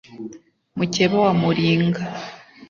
mukeba wa muringa,